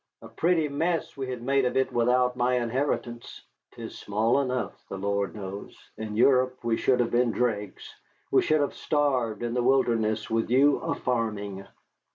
A pretty mess we had made of it without my inheritance. 'Tis small enough, the Lord knows. In Europe we should have been dregs. We should have starved in the wilderness with you a farming."